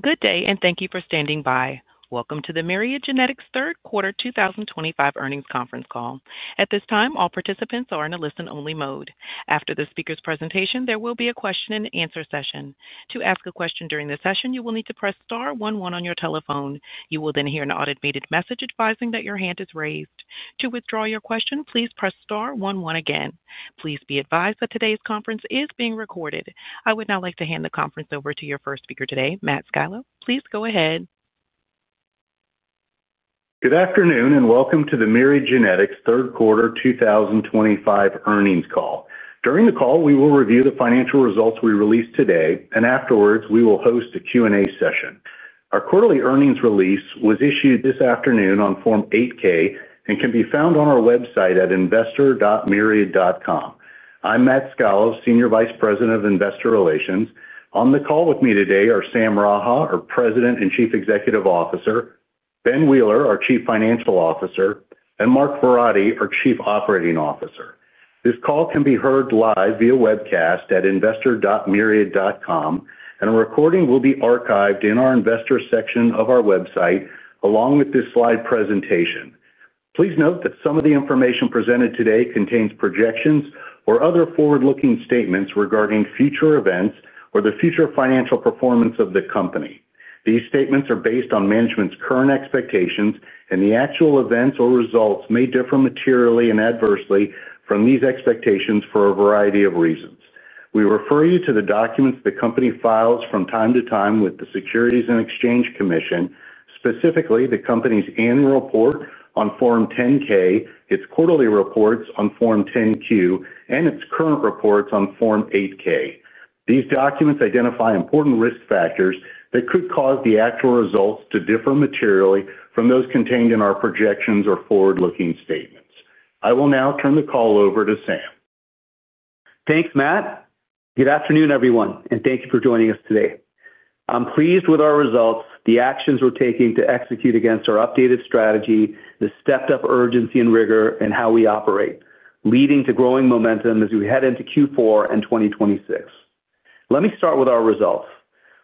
Good day, and thank you for standing by. Welcome to the Myriad Genetics third quarter 2025 earnings conference call. At this time, all participants are in a listen-only mode. After the speaker's presentation, there will be a question-and-answer session. To ask a question during the session, you will need to press star 11 on your telephone. You will then hear an automated message advising that your hand is raised. To withdraw your question, please press star 11 again. Please be advised that today's conference is being recorded. I would now like to hand the conference over to your first speaker today, Matt Scalo. Please go ahead. Good afternoon, and welcome to the Myriad Genetics third quarter 2025 earnings call. During the call, we will review the financial results we released today, and afterwards, we will host a Q&A session. Our quarterly earnings release was issued this afternoon on Form 8-K and can be found on our website at investor.myriad.com. I'm Matt Scalo, Senior Vice President of Investor Relations. On the call with me today are Sam Raha, our President and Chief Executive Officer; Ben Wheeler, our Chief Financial Officer; and Mark Verratti, our Chief Operating Officer. This call can be heard live via webcast at investor.myriad.com, and a recording will be archived in our Investors section of our website, along with this slide presentation. Please note that some of the information presented today contains projections or other forward-looking statements regarding future events or the future financial performance of the company. These statements are based on management's current expectations, and the actual events or results may differ materially and adversely from these expectations for a variety of reasons. We refer you to the documents the company files from time to time with the Securities and Exchange Commission, specifically the company's annual report on Form 10-K, its quarterly reports on Form 10-Q, and its current reports on Form 8-K. These documents identify important risk factors that could cause the actual results to differ materially from those contained in our projections or forward-looking statements. I will now turn the call over to Sam. Thanks, Matt. Good afternoon, everyone, and thank you for joining us today. I'm pleased with our results, the actions we're taking to execute against our updated strategy, the stepped-up urgency and rigor, and how we operate, leading to growing momentum as we head into Q4 and 2026. Let me start with our results.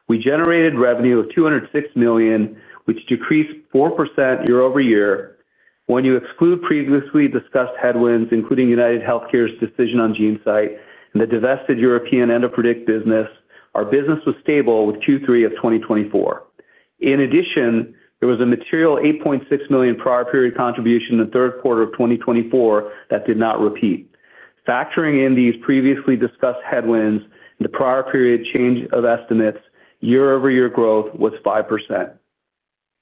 We generated revenue of $206 million, which decreased 4% year-over-year. When you exclude previously discussed headwinds, including UnitedHealthcare's decision on GeneSight and the divested European EndoPredict business, our business was stable with Q3 of 2024. In addition, there was a material $8.6 million prior-period contribution in the third quarter of 2024 that did not repeat. Factoring in these previously discussed headwinds and the prior-period change of estimates, year-over-year growth was 5%.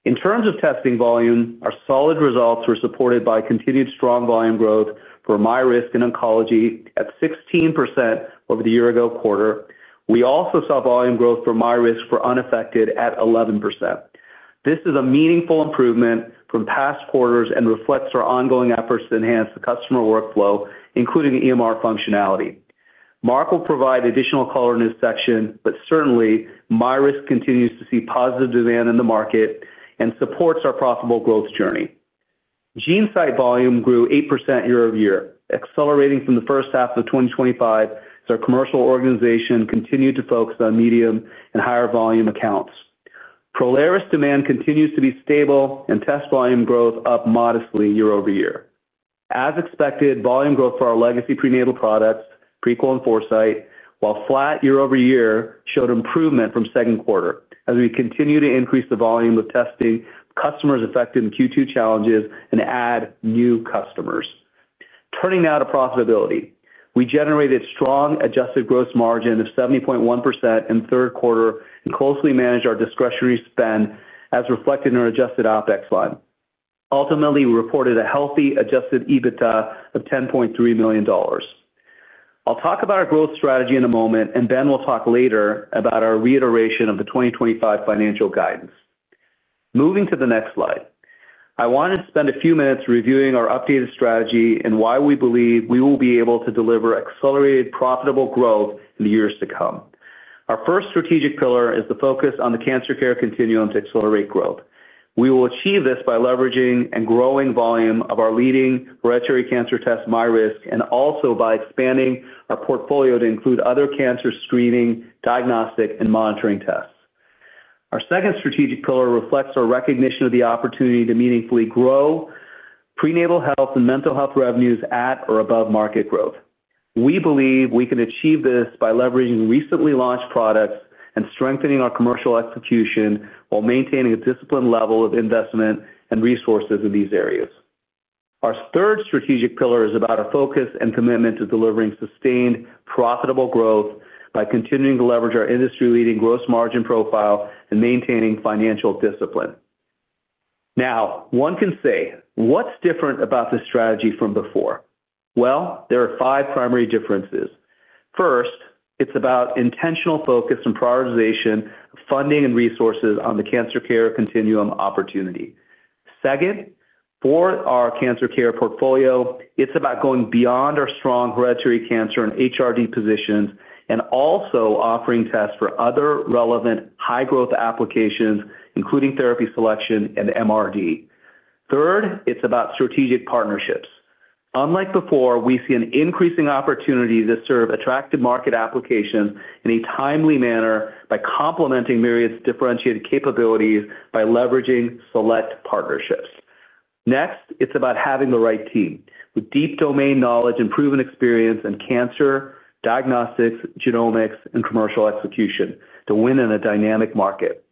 In terms of testing volume, our solid results were supported by continued strong volume growth for MyRisk and oncology at 16% over the year-ago quarter. We also saw volume growth for MyRisk for unaffected at 11%. This is a meaningful improvement from past quarters and reflects our ongoing efforts to enhance the customer workflow, including EMR functionality. Mark will provide additional color in this section, but certainly, MyRisk continues to see positive demand in the market and supports our profitable growth journey. GeneSight volume grew 8% year-over-year, accelerating from the first half of 2025 as our commercial organization continued to focus on medium and higher volume accounts. Prolaris demand continues to be stable, and test volume growth is up modestly year-over-year. As expected, volume growth for our legacy prenatal products, Prequel and Foresight, while flat year-over-year, showed improvement from second quarter as we continue to increase the volume of testing customers affected in Q2 challenges and add new customers. Turning now to profitability, we generated strong adjusted gross margin of 70.1% in the third quarter and closely managed our discretionary spend as reflected in our adjusted OpEx fund. Ultimately, we reported a healthy adjusted EBITDA of $10.3 million. I'll talk about our growth strategy in a moment, and Ben will talk later about our reiteration of the 2025 financial guidance. Moving to the next slide, I wanted to spend a few minutes reviewing our updated strategy and why we believe we will be able to deliver accelerated profitable growth in the years to come. Our first strategic pillar is the focus on the cancer care continuum to accelerate growth. We will achieve this by leveraging and growing volume of our leading hereditary cancer test MyRisk and also by expanding our portfolio to include other cancer screening, diagnostic, and monitoring tests. Our second strategic pillar reflects our recognition of the opportunity to meaningfully grow prenatal health and mental health revenues at or above market growth. We believe we can achieve this by leveraging recently launched products and strengthening our commercial execution while maintaining a disciplined level of investment and resources in these areas. Our third strategic pillar is about our focus and commitment to delivering sustained profitable growth by continuing to leverage our industry-leading gross margin profile and maintaining financial discipline. Now, one can say, what's different about this strategy from before? There are five primary differences. First, it's about intentional focus and prioritization of funding and resources on the cancer care continuum opportunity. Second, for our cancer care portfolio, it's about going beyond our strong hereditary cancer and HRD positions and also offering tests for other relevant high-growth applications, including therapy selection and MRD. Third, it's about strategic partnerships. Unlike before, we see an increasing opportunity to serve attractive market applications in a timely manner by complementing Myriad's differentiated capabilities by leveraging select partnerships. Next, it's about having the right team with deep domain knowledge and proven experience in cancer, diagnostics, genomics, and commercial execution to win in a dynamic market.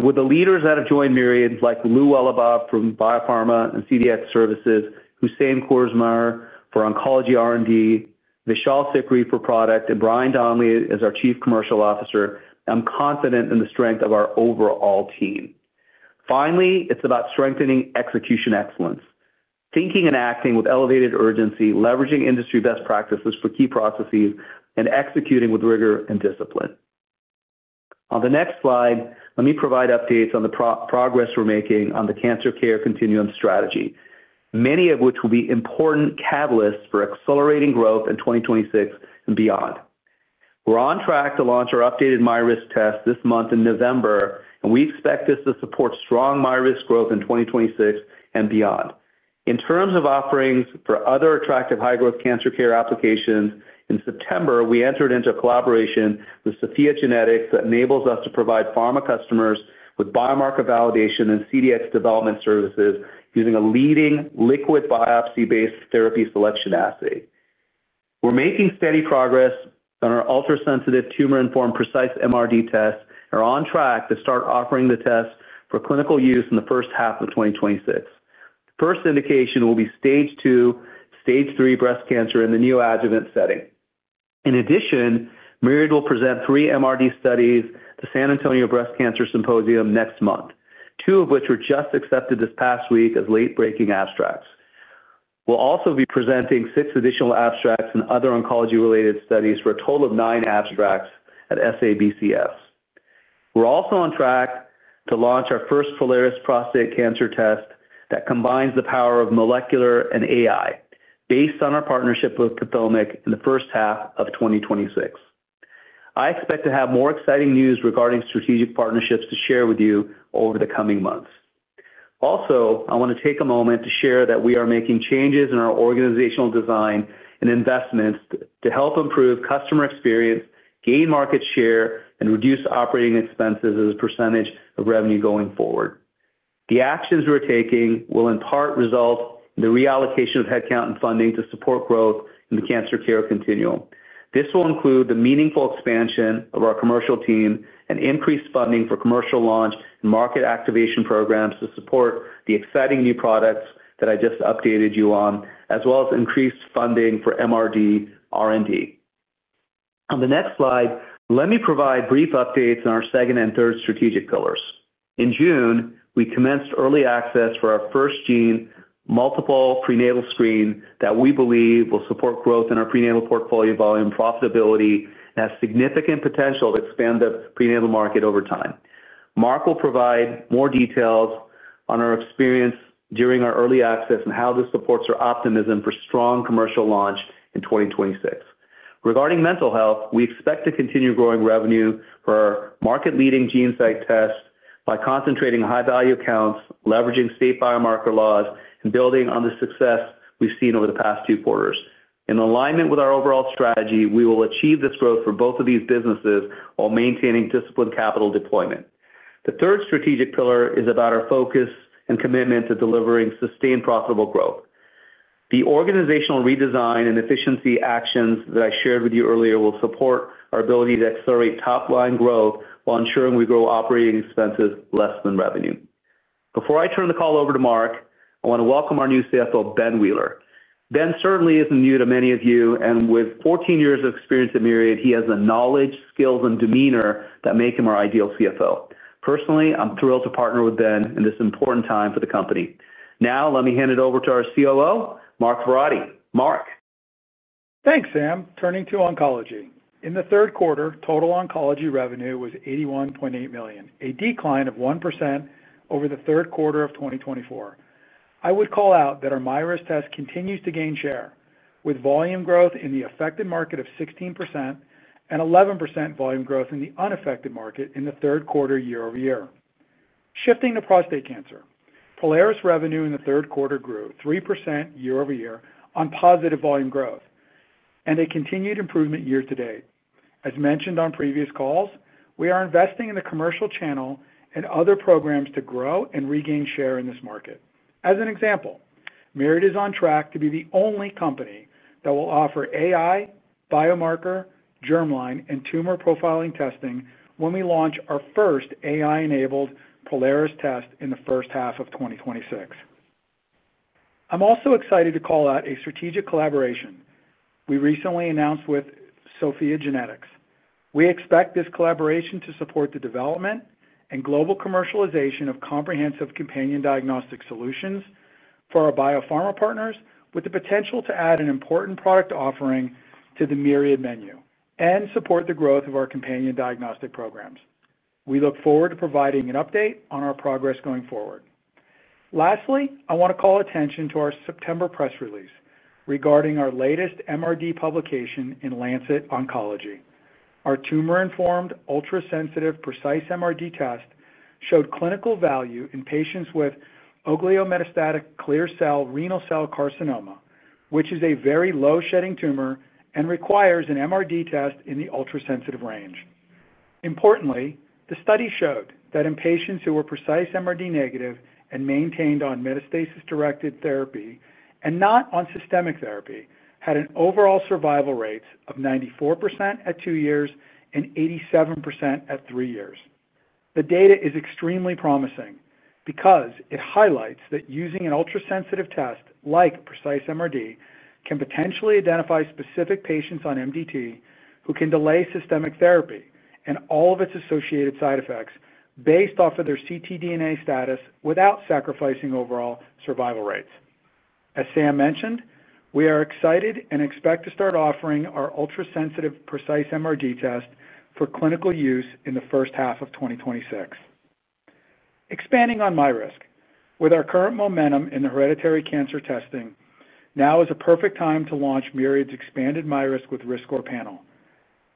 With the leaders that have joined Myriad, like Lou Welebob from biopharma and CDx services, Hosein Kouros-Mehr for oncology R&D, Vishal Sikri for product, and Brian Donnelly as our Chief Commercial Officer, I'm confident in the strength of our overall team. Finally, it's about strengthening execution excellence, thinking and acting with elevated urgency, leveraging industry best practices for key processes, and executing with rigor and discipline. On the next slide, let me provide updates on the progress we're making on the cancer care continuum strategy, many of which will be important catalysts for accelerating growth in 2026 and beyond. We're on track to launch our updated MyRisk test this month in November, and we expect this to support strong MyRisk growth in 2026 and beyond. In terms of offerings for other attractive high-growth cancer care applications, in September, we entered into a collaboration with SOPHiA GENETICS that enables us to provide pharma customers with biomarker validation and CDx development services using a leading liquid biopsy-based therapy selection assay. We're making steady progress on our ultrasensitive tumor-informed precise MRD tests and are on track to start offering the tests for clinical use in the first half of 2026. The first indication will be stage II, stage III breast cancer in the neoadjuvant setting. In addition, Myriad will present three MRD studies to the San Antonio Breast Cancer Symposium next month, two of which were just accepted this past week as late-breaking abstracts. We'll also be presenting six additional abstracts and other oncology-related studies for a total of nine abstracts at SABCS. We're also on track to launch our first Prolaris prostate cancer test that combines the power of molecular and AI, based on our partnership with PATHOMIQ in the first half of 2026. I expect to have more exciting news regarding strategic partnerships to share with you over the coming months. Also, I want to take a moment to share that we are making changes in our organizational design and investments to help improve customer experience, gain market share, and reduce operating expenses as a percentage of revenue going forward. The actions we're taking will in part result in the reallocation of headcount and funding to support growth in the cancer care continuum. This will include the meaningful expansion of our commercial team and increased funding for commercial launch and market activation programs to support the exciting new products that I just updated you on, as well as increased funding for MRD R&D. On the next slide, let me provide brief updates on our second and third strategic pillars. In June, we commenced early access for our FirstGene multiple prenatal screen that we believe will support growth in our prenatal portfolio volume profitability and has significant potential to expand the prenatal market over time. Mark will provide more details on our experience during our early access and how this supports our optimism for strong commercial launch in 2026. Regarding mental health, we expect to continue growing revenue for our market-leading GeneSight test by concentrating high-value accounts, leveraging state biomarker laws, and building on the success we've seen over the past two quarters. In alignment with our overall strategy, we will achieve this growth for both of these businesses while maintaining disciplined capital deployment. The third strategic pillar is about our focus and commitment to delivering sustained profitable growth. The organizational redesign and efficiency actions that I shared with you earlier will support our ability to accelerate top-line growth while ensuring we grow operating expenses less than revenue. Before I turn the call over to Mark, I want to welcome our new CFO, Ben Wheeler. Ben certainly isn't new to many of you, and with 14 years of experience at Myriad Genetics, he has the knowledge, skills, and demeanor that make him our ideal CFO. Personally, I'm thrilled to partner with Ben in this important time for the company. Now, let me hand it over to our COO, Mark Verratti. Mark? Thanks, Sam. Turning to oncology. In the third quarter, total oncology revenue was $81.8 million, a decline of 1% over the third quarter of 2024. I would call out that our MyRisk test continues to gain share, with volume growth in the affected market of 16% and 11% volume growth in the unaffected market in the third quarter year-over-year. Shifting to prostate cancer, Prolaris revenue in the third quarter grew 3% year-over-year on positive volume growth and a continued improvement year to date. As mentioned on previous calls, we are investing in the commercial channel and other programs to grow and regain share in this market. As an example, Myriad is on track to be the only company that will offer AI, biomarker, germline, and tumor profiling testing when we launch our first AI-enabled Prolaris test in the first half of 2026. I'm also excited to call out a strategic collaboration we recently announced with SOPHiA GENETICS. We expect this collaboration to support the development and global commercialization of comprehensive companion diagnostic solutions for our biopharma partners, with the potential to add an important product offering to the Myriad menu and support the growth of our companion diagnostic programs. We look forward to providing an update on our progress going forward. Lastly, I want to call attention to our September press release regarding our latest MRD publication in Lancet Oncology. Our tumor-informed ultrasensitive precise MRD test showed clinical value in patients with oligometastatic clear cell renal cell carcinoma, which is a very low-shedding tumor and requires an MRD test in the ultrasensitive range. Importantly, the study showed that in patients who were precise MRD negative and maintained on metastasis-directed therapy and not on systemic therapy, had an overall survival rate of 94% at two years and 87% at three years. The data is extremely promising because it highlights that using an ultrasensitive test like precise MRD can potentially identify specific patients on MDT who can delay systemic therapy and all of its associated side effects based off of their ctDNA status without sacrificing overall survival rates. As Sam mentioned, we are excited and expect to start offering our ultrasensitive precise MRD test for clinical use in the first half of 2026. Expanding on MyRisk, with our current momentum in the hereditary cancer testing, now is a perfect time to launch Myriad's expanded MyRisk with RiskScore panel.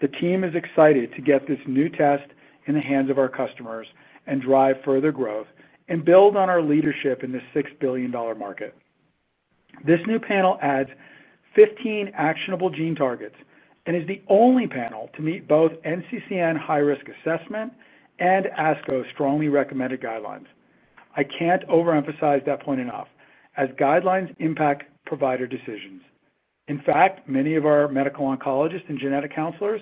The team is excited to get this new test in the hands of our customers and drive further growth and build on our leadership in this $6 billion market. This new panel adds 15 actionable gene targets and is the only panel to meet both NCCN high-risk assessment and ASCO's strongly recommended guidelines. I can't overemphasize that point enough, as guidelines impact provider decisions. In fact, many of our medical oncologists and genetic counselors,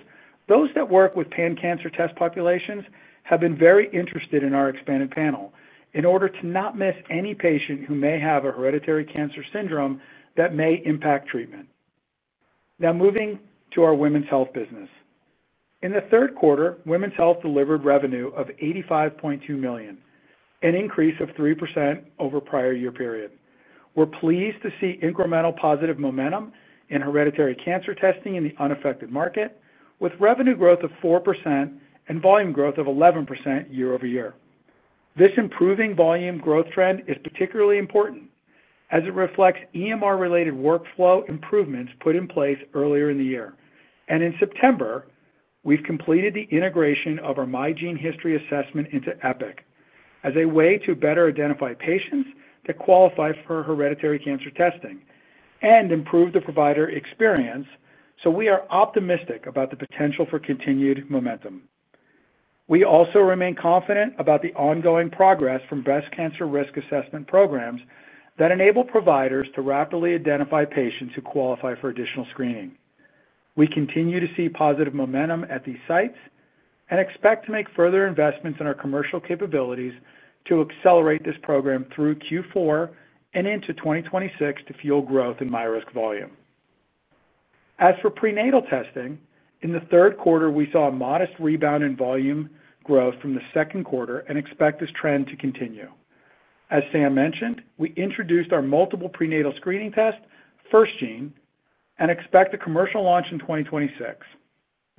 those that work with pan-cancer test populations, have been very interested in our expanded panel in order to not miss any patient who may have a hereditary cancer syndrome that may impact treatment. Now, moving to our women's health business. In the third quarter, women's health delivered revenue of $85.2 million, an increase of 3% over the prior year period. We are pleased to see incremental positive momentum in hereditary cancer testing in the unaffected market, with revenue growth of 4% and volume growth of 11% year-over-year. This improving volume growth trend is particularly important as it reflects EMR-related workflow improvements put in place earlier in the year. In September, we completed the integration of our myGeneHistory assessment into Epic as a way to better identify patients that qualify for hereditary cancer testing and improve the provider experience, so we are optimistic about the potential for continued momentum. We also remain confident about the ongoing progress from breast cancer risk assessment programs that enable providers to rapidly identify patients who qualify for additional screening. We continue to see positive momentum at these sites and expect to make further investments in our commercial capabilities to accelerate this program through Q4 and into 2026 to fuel growth in MyRisk volume. As for prenatal testing, in the third quarter, we saw a modest rebound in volume growth from the second quarter and expect this trend to continue. As Sam mentioned, we introduced our multiple prenatal screening test, FirstGene, and expect a commercial launch in 2026.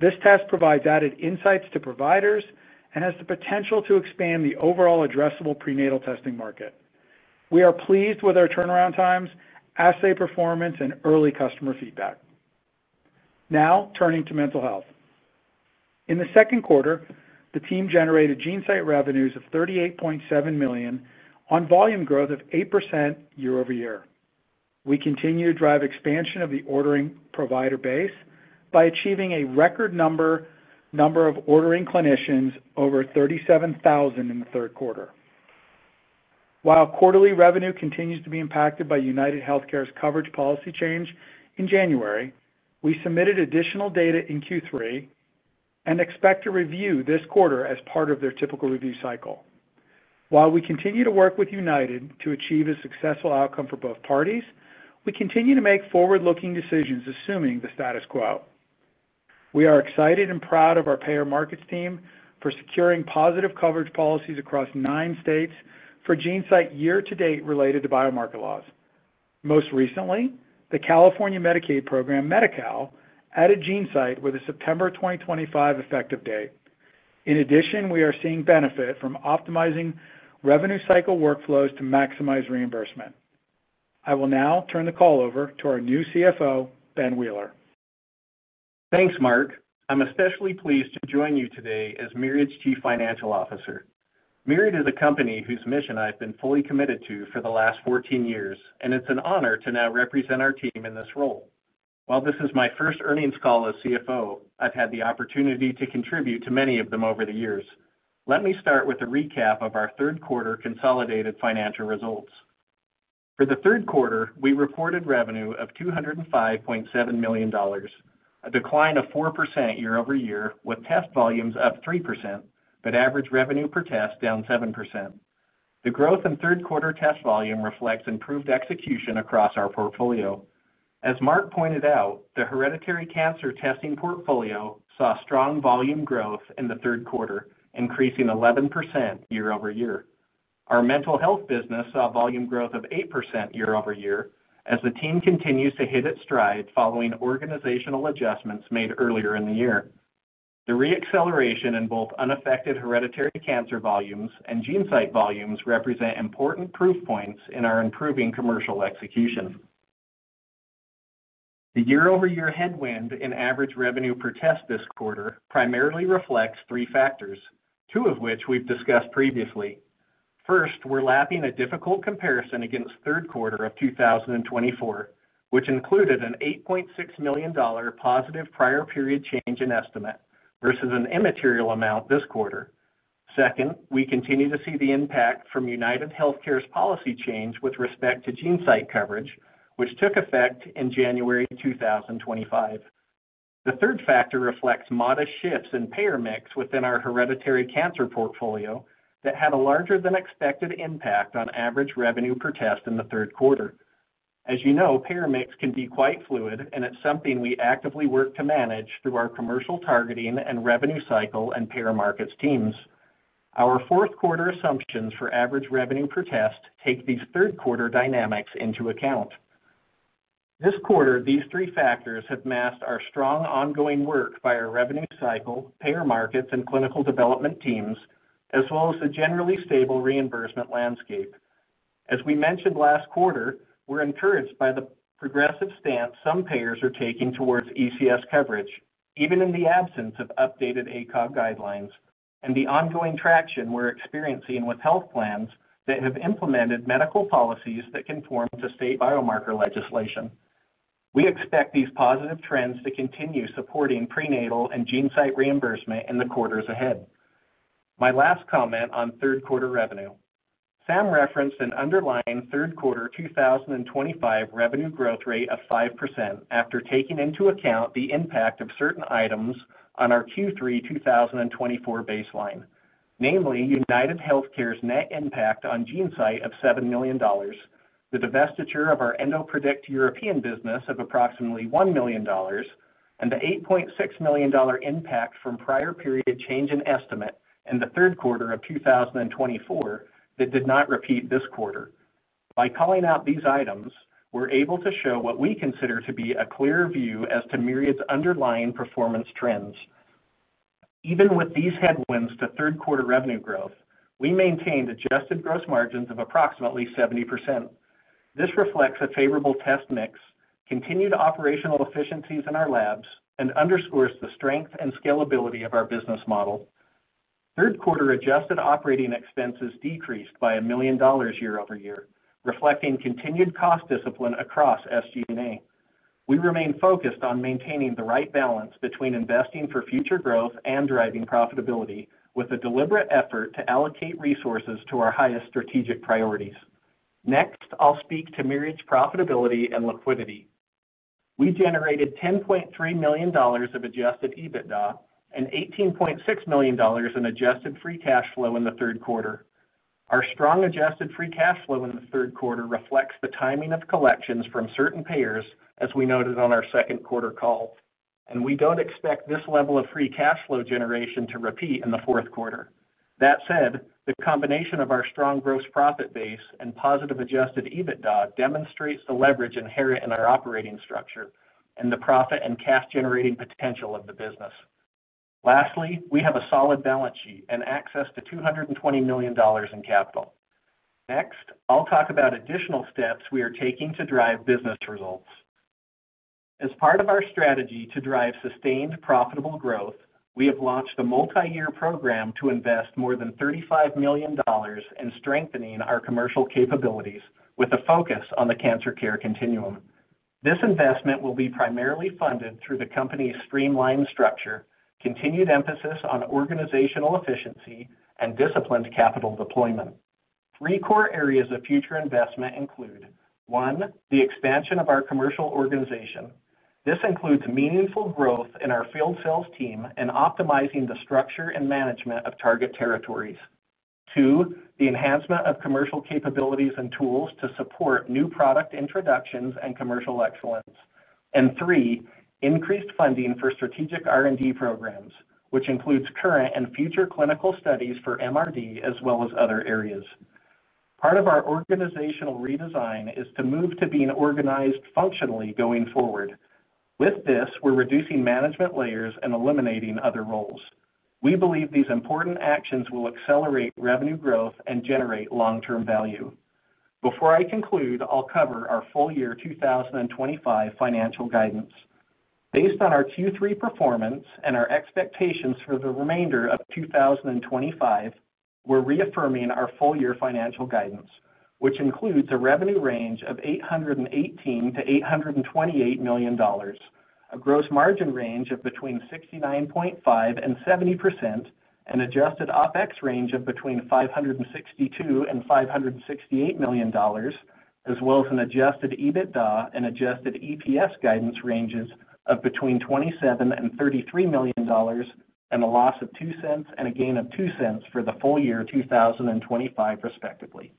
This test provides added insights to providers and has the potential to expand the overall addressable prenatal testing market. We are pleased with our turnaround times, assay performance, and early customer feedback. Now, turning to mental health. In the second quarter, the team generated GeneSight revenues of $38.7 million on volume growth of 8% year-over-year. We continue to drive expansion of the ordering provider base by achieving a record number of ordering clinicians, over 37,000 in the third quarter. While quarterly revenue continues to be impacted by UnitedHealthcare's coverage policy change in January, we submitted additional data in Q3 and expect a review this quarter as part of their typical review cycle. While we continue to work with United to achieve a successful outcome for both parties, we continue to make forward-looking decisions assuming the status quo. We are excited and proud of our payer markets team for securing positive coverage policies across nine states for GeneSight year-to-date related to biomarker laws. Most recently, the California Medicaid program, Medi-Cal, added GeneSight with a September 2025 effective date. In addition, we are seeing benefit from optimizing revenue cycle workflows to maximize reimbursement. I will now turn the call over to our new CFO, Ben Wheeler. Thanks, Mark. I'm especially pleased to join you today as Myriad's Chief Financial Officer. Myriad is a company whose mission I've been fully committed to for the last 14 years, and it's an honor to now represent our team in this role. While this is my first earnings call as CFO, I've had the opportunity to contribute to many of them over the years. Let me start with a recap of our third quarter consolidated financial results. For the third quarter, we reported revenue of $205.7 million, a decline of 4% year-over-year, with test volumes up 3%, but average revenue per test down 7%. The growth in third quarter test volume reflects improved execution across our portfolio. As Mark pointed out, the hereditary cancer testing portfolio saw strong volume growth in the third quarter, increasing 11% year-over-year. Our mental health business saw volume growth of 8% year-over-year as the team continues to hit its stride following organizational adjustments made earlier in the year. The re-acceleration in both unaffected hereditary cancer volumes and GeneSight volumes represent important proof points in our improving commercial execution. The year-over-year headwind in average revenue per test this quarter primarily reflects three factors, two of which we've discussed previously. First, we're lapping a difficult comparison against third quarter of 2024, which included an $8.6 million positive prior period change in estimate versus an immaterial amount this quarter. Second, we continue to see the impact from UnitedHealthcare's policy change with respect to GeneSight coverage, which took effect in January 2025. The third factor reflects modest shifts in payer mix within our hereditary cancer portfolio that had a larger than expected impact on average revenue per test in the third quarter. As you know, payer mix can be quite fluid, and it's something we actively work to manage through our commercial targeting and revenue cycle and payer markets teams. Our fourth quarter assumptions for average revenue per test take these third quarter dynamics into account. This quarter, these three factors have masked our strong ongoing work by our revenue cycle, payer markets, and clinical development teams, as well as the generally stable reimbursement landscape. As we mentioned last quarter, we're encouraged by the progressive stance some payers are taking towards ECS coverage, even in the absence of updated ACOG guidelines and the ongoing traction we're experiencing with health plans that have implemented medical policies that conform to state biomarker legislation. We expect these positive trends to continue supporting prenatal and GeneSight reimbursement in the quarters ahead. My last comment on third quarter revenue. Sam referenced an underlying third quarter 2025 revenue growth rate of 5% after taking into account the impact of certain items on our Q3 2024 baseline, namely UnitedHealthcare's net impact on GeneSight of $7 million, the divestiture of our EndoPredict European business of approximately $1 million, and the $8.6 million impact from prior period change in estimate in the third quarter of 2024 that did not repeat this quarter. By calling out these items, we're able to show what we consider to be a clear view as to Myriad's underlying performance trends. Even with these headwinds to third quarter revenue growth, we maintained adjusted gross margins of approximately 70%. This reflects a favorable test mix, continued operational efficiencies in our labs, and underscores the strength and scalability of our business model. Third quarter adjusted operating expenses decreased by $1 million year-over-year, reflecting continued cost discipline across SG&A. We remain focused on maintaining the right balance between investing for future growth and driving profitability with a deliberate effort to allocate resources to our highest strategic priorities. Next, I'll speak to Myriad's profitability and liquidity. We generated $10.3 million of adjusted EBITDA and $18.6 million in adjusted free cash flow in the third quarter. Our strong adjusted free cash flow in the third quarter reflects the timing of collections from certain payers, as we noted on our second quarter call, and we don't expect this level of free cash flow generation to repeat in the fourth quarter. That said, the combination of our strong gross profit base and positive adjusted EBITDA demonstrates the leverage inherent in our operating structure and the profit and cash-generating potential of the business. Lastly, we have a solid balance sheet and access to $220 million in capital. Next, I'll talk about additional steps we are taking to drive business results. As part of our strategy to drive sustained profitable growth, we have launched a multi-year program to invest more than $35 million in strengthening our commercial capabilities with a focus on the cancer care continuum. This investment will be primarily funded through the company's streamlined structure, continued emphasis on organizational efficiency, and disciplined capital deployment. Three core areas of future investment include, one, the expansion of our commercial organization. This includes meaningful growth in our field sales team and optimizing the structure and management of target territories. Two, the enhancement of commercial capabilities and tools to support new product introductions and commercial excellence. Three, increased funding for strategic R&D programs, which includes current and future clinical studies for MRD as well as other areas. Part of our organizational redesign is to move to being organized functionally going forward. With this, we're reducing management layers and eliminating other roles. We believe these important actions will accelerate revenue growth and generate long-term value. Before I conclude, I'll cover our full year 2025 financial guidance. Based on our Q3 performance and our expectations for the remainder of 2025, we're reaffirming our full year financial guidance, which includes a revenue range of $818 million-$828 million, a gross margin range of 69.5% and 70%, an adjusted OpEx range of $562 million and $568 million, as well as an adjusted EBITDA and adjusted EPS guidance ranges of between $27 million and $33 million and a loss of $0.02 and a gain of $0.02 for the full year 2025, respectively.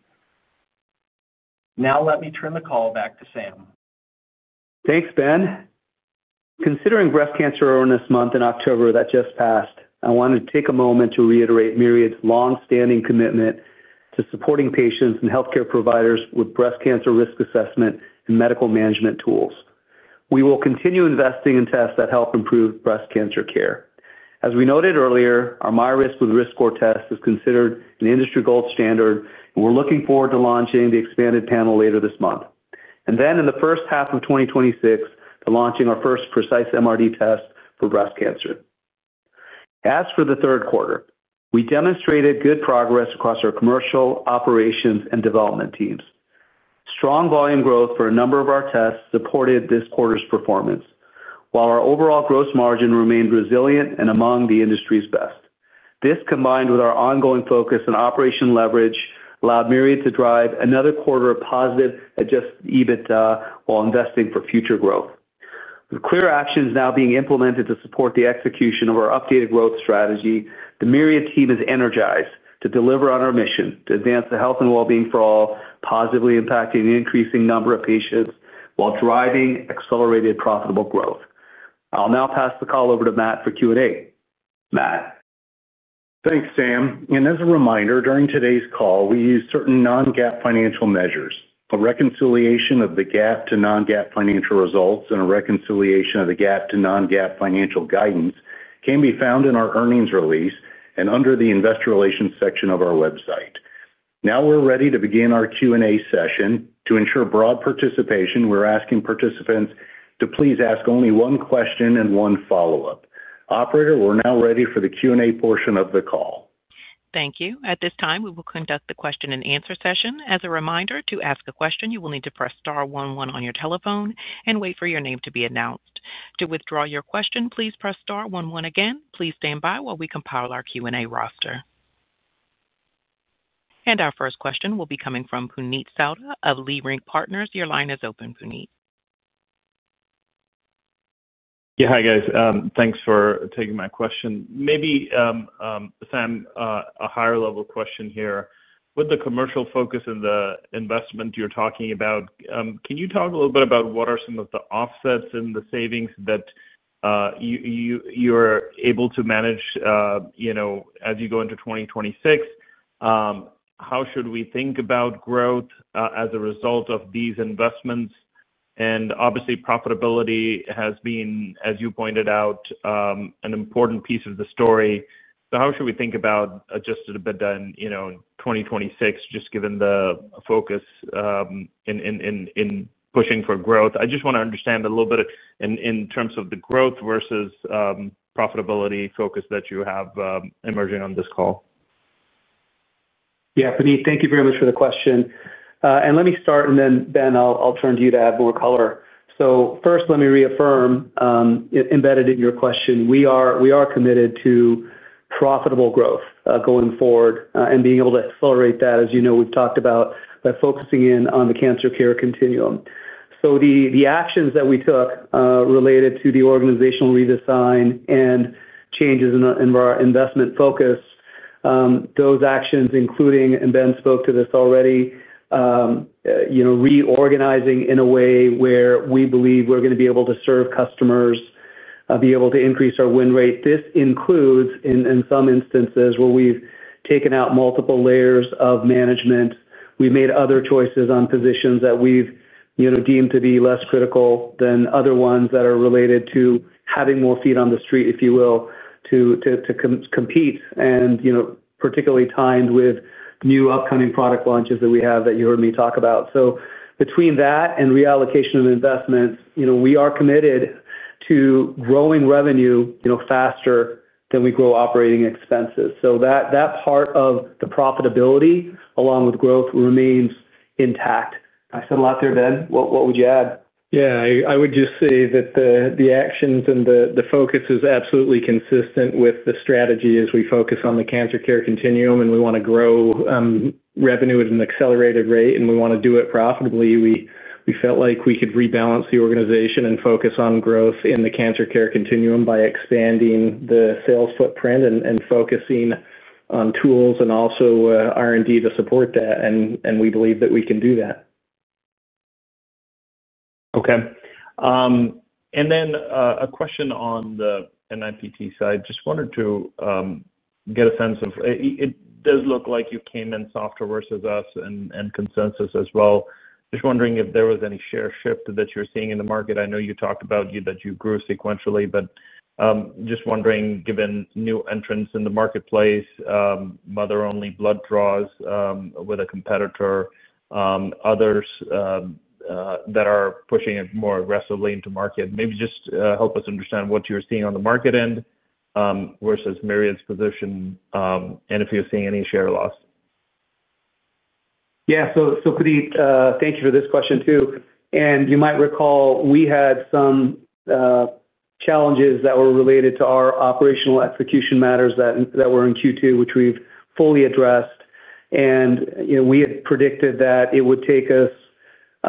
Now, let me turn the call back to Sam. Thanks, Ben. Considering breast cancer awareness month in October that just passed, I wanted to take a moment to reiterate Myriad's long-standing commitment to supporting patients and healthcare providers with breast cancer risk assessment and medical management tools. We will continue investing in tests that help improve breast cancer care. As we noted earlier, our MyRisk with RiskScore test is considered an industry gold standard, and we're looking forward to launching the expanded panel later this month. In the first half of 2026, launching our first precise MRD test for breast cancer. As for the third quarter, we demonstrated good progress across our commercial, operations, and development teams. Strong volume growth for a number of our tests supported this quarter's performance, while our overall gross margin remained resilient and among the industry's best. This, combined with our ongoing focus on operational leverage, allowed Myriad to drive another quarter of positive adjusted EBITDA while investing for future growth. With clear actions now being implemented to support the execution of our updated growth strategy, the Myriad team is energized to deliver on our mission to advance the health and well-being for all, positively impacting an increasing number of patients while driving accelerated profitable growth. I'll now pass the call over to Matt for Q&A. Matt? Thanks, Sam. As a reminder, during today's call, we used certain non-GAAP financial measures. A reconciliation of the GAAP to non-GAAP financial results and a reconciliation of the GAAP to non-GAAP financial guidance can be found in our earnings release and under the investor relations section of our website. Now we're ready to begin our Q&A session. To ensure broad participation, we're asking participants to please ask only one question and one follow-up. Operator, we're now ready for the Q&A portion of the call. Thank you. At this time, we will conduct the question-and-answer session. As a reminder, to ask a question, you will need to press star 11 on your telephone and wait for your name to be announced. To withdraw your question, please press star 11 again. Please stand by while we compile our Q&A roster. Our first question will be coming from Puneet Souda of Leerink Partners. Your line is open, Puneet. Yeah, hi guys. Thanks for taking my question. Maybe, Sam, a higher-level question here. With the commercial focus and the investment you're talking about, can you talk a little bit about what are some of the offsets in the savings that you're able to manage as you go into 2026? How should we think about growth as a result of these investments? Obviously, profitability has been, as you pointed out, an important piece of the story. How should we think about adjusted EBITDA in 2026, just given the focus in pushing for growth? I just want to understand a little bit in terms of the growth versus profitability focus that you have emerging on this call. Yeah, Puneet, thank you very much for the question. Let me start, and then Ben, I'll turn to you to add more color. First, let me reaffirm. Embedded in your question, we are committed to profitable growth going forward and being able to accelerate that, as you know, we've talked about, by focusing in on the cancer care continuum. The actions that we took related to the organizational redesign and changes in our investment focus, those actions, including—and Ben spoke to this already—reorganizing in a way where we believe we're going to be able to serve customers, be able to increase our win rate. This includes, in some instances, where we've taken out multiple layers of management. We've made other choices on positions that we've deemed to be less critical than other ones that are related to having more feet on the street, if you will, to compete, and particularly timed with new upcoming product launches that we have that you heard me talk about. Between that and reallocation of investments, we are committed to growing revenue faster than we grow operating expenses. That part of the profitability, along with growth, remains intact. I said a lot there, Ben. What would you add? Yeah, I would just say that the actions and the focus is absolutely consistent with the strategy as we focus on the cancer care continuum, and we want to grow. Revenue at an accelerated rate, and we want to do it profitably. We felt like we could rebalance the organization and focus on growth in the cancer care continuum by expanding the sales footprint and focusing on tools and also R&D to support that, and we believe that we can do that. Okay. A question on the NIPT side. Just wanted to get a sense of it does look like you came in softer versus us and consensus as well. Just wondering if there was any share shift that you're seeing in the market. I know you talked about that you grew sequentially, but just wondering, given new entrants in the marketplace, mother-only blood draws with a competitor, others that are pushing it more aggressively into market, maybe just help us understand what you're seeing on the market end versus Myriad's position, and if you're seeing any share loss. Yeah, Puneet, thank you for this question too. You might recall we had some challenges that were related to our operational execution matters that were in Q2, which we've fully addressed. We had predicted that it would take us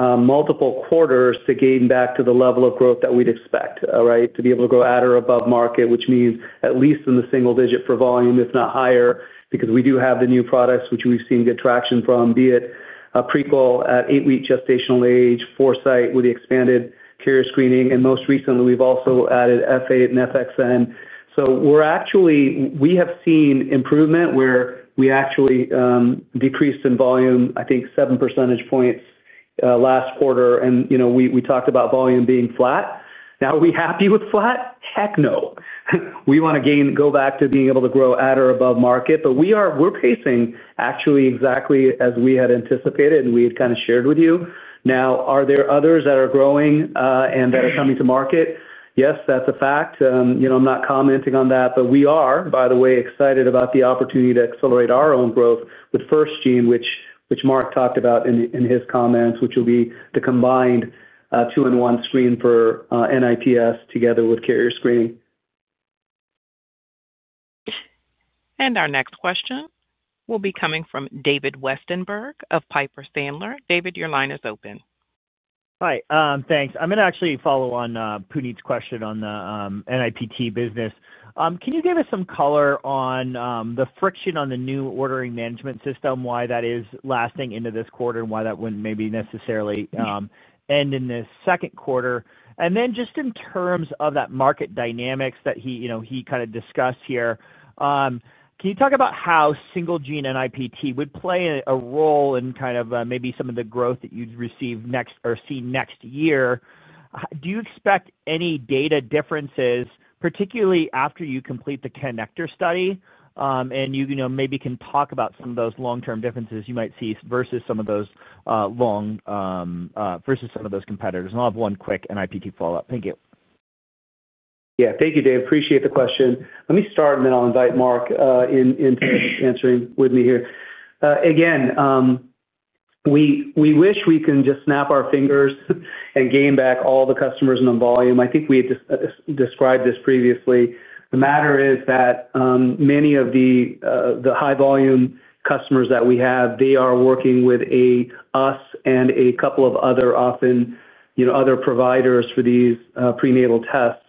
multiple quarters to gain back to the level of growth that we'd expect, right, to be able to grow at or above market, which means at least in the single digit for volume, if not higher, because we do have the new products which we've seen good traction from, be it Prequel at eight-week gestational age, Foresight with the expanded carrier screening, and most recently, we've also added F8 and FXN. We have seen improvement where we actually decreased in volume, I think, 7 percentage points last quarter. We talked about volume being flat. Now, are we happy with flat? Heck no. We want to go back to being able to grow at or above market, but we're pacing actually exactly as we had anticipated, and we had kind of shared with you. Now, are there others that are growing and that are coming to market? Yes, that's a fact. I'm not commenting on that, but we are, by the way, excited about the opportunity to accelerate our own growth with FirstGene, which Mark talked about in his comments, which will be the combined two-in-one screen for NIPS together with carrier screening. Our next question will be coming from David Westenberg of Piper Sandler. David, your line is open. Hi, thanks. I'm going to actually follow on Puneet's question on the NIPT business. Can you give us some color on the friction on the new ordering management system, why that is lasting into this quarter, and why that would not maybe necessarily end in this second quarter? Just in terms of that market dynamics that he kind of discussed here, can you talk about how SingleGene NIPT would play a role in kind of maybe some of the growth that you would receive next or see next year? Do you expect any data differences, particularly after you complete the connector study, and you maybe can talk about some of those long-term differences you might see versus some of those competitors? I'll have one quick NIPT follow-up. Thank you. Yeah, thank you, Dave. Appreciate the question. Let me start, and then I'll invite Mark into answering with me here. Again, we wish we could just snap our fingers and gain back all the customers and the volume. I think we had described this previously. The matter is that many of the high-volume customers that we have, they are working with us and a couple of other, often other providers for these prenatal tests.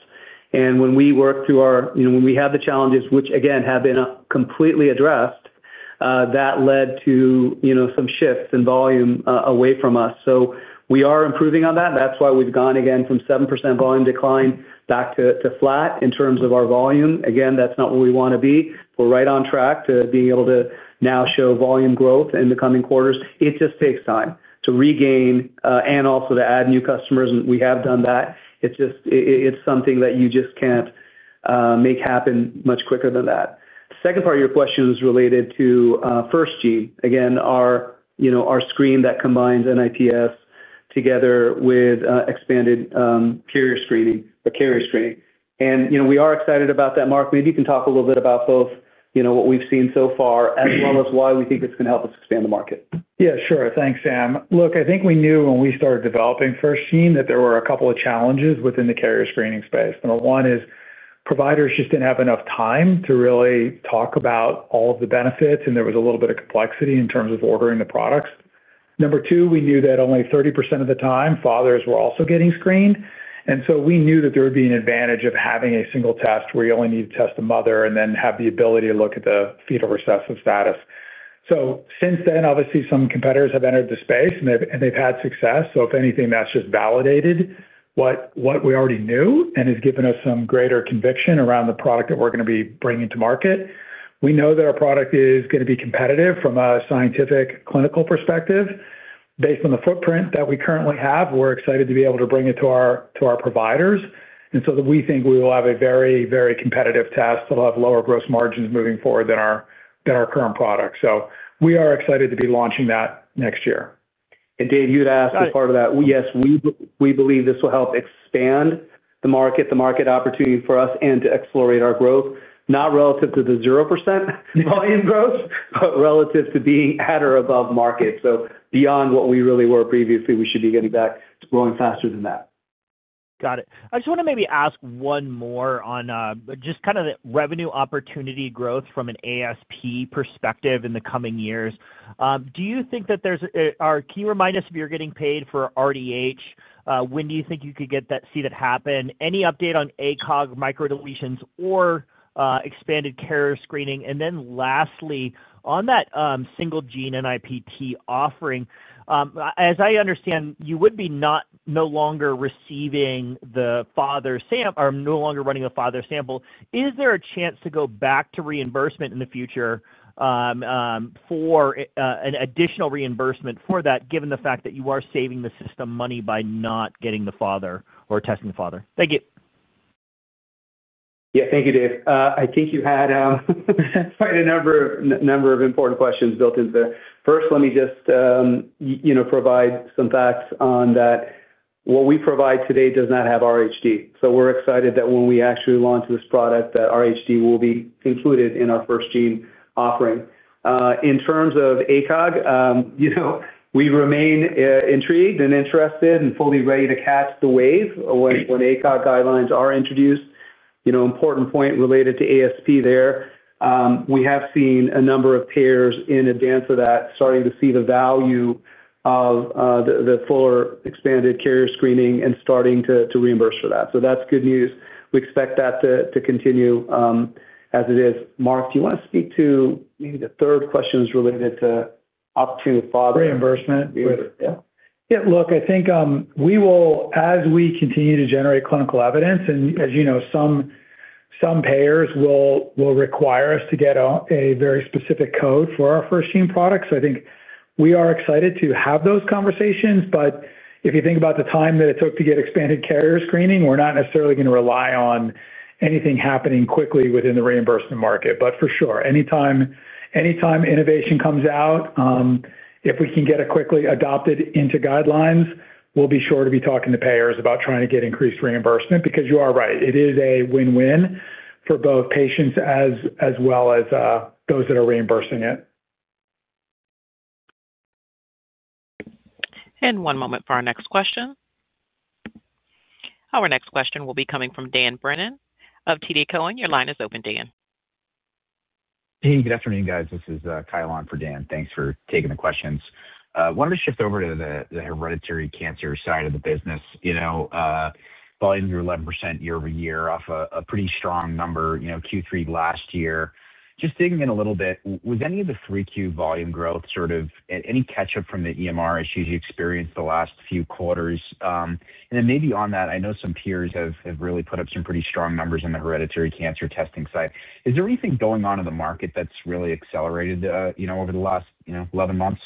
When we have the challenges, which again have been completely addressed, that led to some shifts in volume away from us. We are improving on that. That's why we've gone again from 7% volume decline back to flat in terms of our volume. Again, that's not where we want to be. We're right on track to being able to now show volume growth in the coming quarters. It just takes time to regain and also to add new customers, and we have done that. It's something that you just can't make happen much quicker than that. The second part of your question is related to FirstGene, again, our screen that combines NIPS together with expanded carrier screening or carrier screening. We are excited about that. Mark, maybe you can talk a little bit about both what we've seen so far as well as why we think it's going to help us expand the market. Yeah, sure. Thanks, Sam. Look, I think we knew when we started developing FirstGene that there were a couple of challenges within the carrier screening space. Number one is providers just did not have enough time to really talk about all of the benefits, and there was a little bit of complexity in terms of ordering the products. Number two, we knew that only 30% of the time fathers were also getting screened. We knew that there would be an advantage of having a single test where you only need to test the mother and then have the ability to look at the fetal recessive status. Since then, obviously, some competitors have entered the space, and they have had success. If anything, that has just validated what we already knew and has given us some greater conviction around the product that we are going to be bringing to market. We know that our product is going to be competitive from a scientific clinical perspective. Based on the footprint that we currently have, we are excited to be able to bring it to our providers. We think we will have a very, very competitive test that will have lower gross margins moving forward than our current product. We are excited to be launching that next year. Dave, you'd asked as part of that, yes, we believe this will help expand the market, the market opportunity for us, and to accelerate our growth, not relative to the 0% volume growth, but relative to being at or above market. So beyond what we really were previously, we should be getting back to growing faster than that. Got it. I just want to maybe ask one more on just kind of the revenue opportunity growth from an ASP perspective in the coming years. Do you think that there's—can you remind us if you're getting paid for [RDH]? When do you think you could see that happen? Any update on ACOG microdeletions or expanded carrier screening? Lastly, on that SingleGene NIPT offering, as I understand, you would be no longer receiving the father sample or no longer running a father sample. Is there a chance to go back to reimbursement in the future for an additional reimbursement for that, given the fact that you are saving the system money by not getting the father or testing the father? Thank you. Yeah, thank you, Dave. I think you had quite a number of important questions built into there. First, let me just provide some facts on that. What we provide today does not have RHD. So we're excited that when we actually launch this product, that RHD will be included in our FirstGene offering. In terms of ACOG, we remain intrigued and interested and fully ready to catch the wave when ACOG guidelines are introduced. Important point related to ASP there. We have seen a number of payers in advance of that starting to see the value of the fuller expanded carrier screening and starting to reimburse for that. That's good news. We expect that to continue as it is. Mark, do you want to speak to maybe the third question is related to opportunity father reimbursement? Yeah. Look, I think we will, as we continue to generate clinical evidence, and as you know, some payers will require us to get a very specific code for our FirstGene product. I think we are excited to have those conversations. If you think about the time that it took to get expanded carrier screening, we're not necessarily going to rely on anything happening quickly within the reimbursement market. For sure, anytime innovation comes out, if we can get it quickly adopted into guidelines, we'll be sure to be talking to payers about trying to get increased reimbursement because you are right. It is a win-win for both patients as well as those that are reimbursing it. One moment for our next question. Our next question will be coming from Dan Brennan of TD Cowen. Your line is open, Dan. Hey, good afternoon, guys. This is Kyle on for Dan. Thanks for taking the questions. I wanted to shift over to the hereditary cancer side of the business. Volume grew 11% year-over-year off a pretty strong number, Q3 last year. Just digging in a little bit, was any of the Q3 volume growth sort of any catch-up from the EMR issues you experienced the last few quarters? And then maybe on that, I know some peers have really put up some pretty strong numbers on the hereditary cancer testing side. Is there anything going on in the market that's really accelerated over the last 11 months?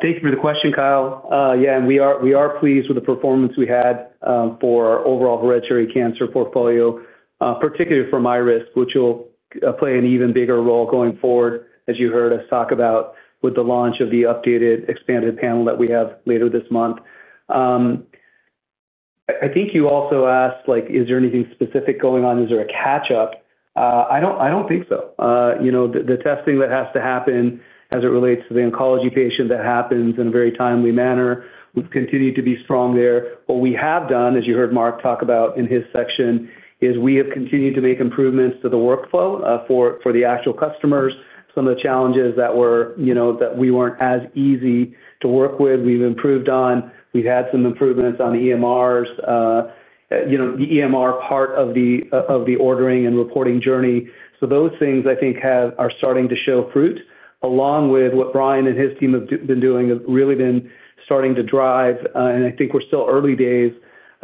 Thank you for the question, Kyle. Yeah, and we are pleased with the performance we had for our overall hereditary cancer portfolio, particularly for MyRisk, which will play an even bigger role going forward, as you heard us talk about with the launch of the updated expanded panel that we have later this month. I think you also asked, is there anything specific going on? Is there a catch-up? I do not think so. The testing that has to happen as it relates to the oncology patient that happens in a very timely manner, we have continued to be strong there. What we have done, as you heard Mark talk about in his section, is we have continued to make improvements to the workflow for the actual customers. Some of the challenges that we were not as easy to work with, we have improved on. We have had some improvements on EMRs. The EMR part of the ordering and reporting journey. Those things, I think, are starting to show fruit along with what Brian and his team have been doing, have really been starting to drive. I think we are still early days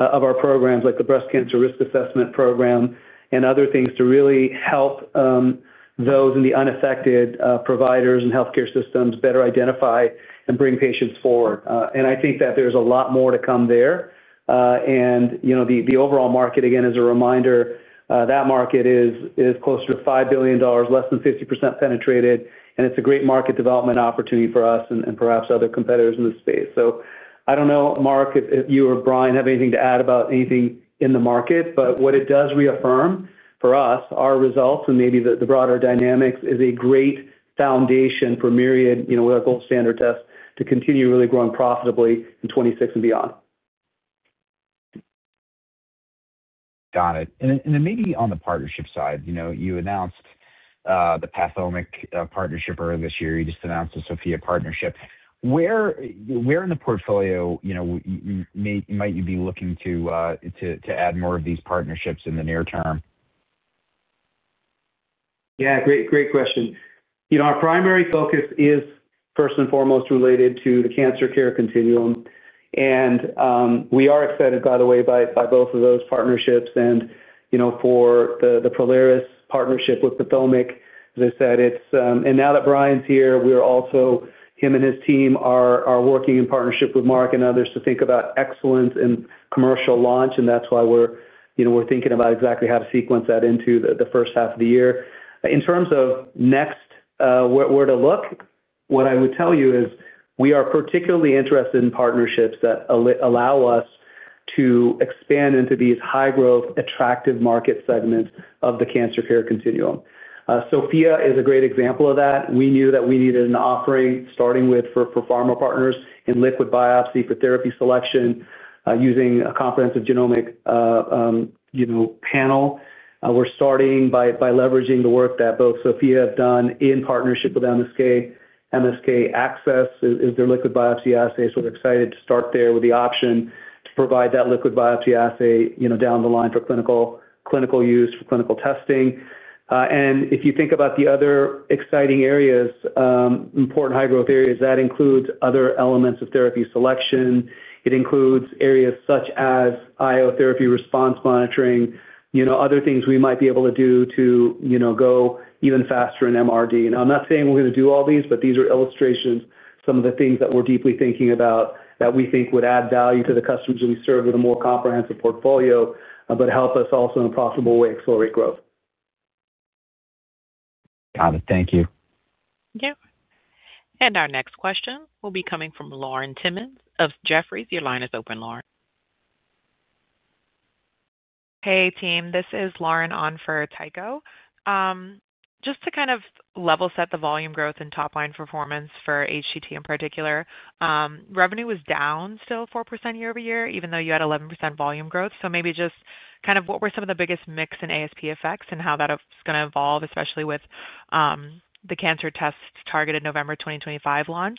of our programs, like the Breast Cancer Risk Assessment Program and other things to really help those in the unaffected providers and healthcare systems better identify and bring patients forward. I think that there is a lot more to come there. The overall market, again, as a reminder, that market is close to $5 billion, less than 50% penetrated. It is a great market development opportunity for us and perhaps other competitors in this space. I do not know, Mark, if you or Brian have anything to add about anything in the market, but what it does reaffirm for us, our results and maybe the broader dynamics, is a great foundation for Myriad with our gold standard test to continue really growing profitably in 2026 and beyond. Got it. And then maybe on the partnership side, you announced the PATHOMIQ partnership earlier this year. You just announced the SOPHiA partnership. Where in the portfolio might you be looking to add more of these partnerships in the near term? Yeah, great question. Our primary focus is first and foremost related to the cancer care continuum. We are excited, by the way, by both of those partnerships and for the Prolaris partnership with PATHOMIQ. As I said, and now that Brian's here, we're also, him and his team are working in partnership with Mark and others to think about excellence and commercial launch. That's why we're thinking about exactly how to sequence that into the first half of the year. In terms of next, where to look, what I would tell you is we are particularly interested in partnerships that allow us to expand into these high-growth, attractive market segments of the cancer care continuum. SOPHiA is a great example of that. We knew that we needed an offering starting with for pharma partners in liquid biopsy for therapy selection using a comprehensive genomic panel. We're starting by leveraging the work that both SOPHiA have done in partnership with MSK. MSK Access is their liquid biopsy assay. We are excited to start there with the option to provide that liquid biopsy assay down the line for clinical use, for clinical testing. If you think about the other exciting areas, important high-growth areas, that includes other elements of therapy selection. It includes areas such as IO therapy response monitoring, other things we might be able to do to go even faster in MRD. I'm not saying we're going to do all these, but these are illustrations, some of the things that we're deeply thinking about that we think would add value to the customers that we serve with a more comprehensive portfolio, but help us also in a profitable way accelerate growth. Got it. Thank you. Yep. Our next question will be coming from Lauren Timmins of Jefferies. Your line is open, Lauren. Hey, team. This is Lauren on for [Taiko]. Just to kind of level set the volume growth and top-line performance for HTT in particular. Revenue was down still 4% year-over-year, even though you had 11% volume growth. Maybe just kind of what were some of the biggest mix and ASP effects and how that's going to evolve, especially with the cancer test targeted November 2025 launch.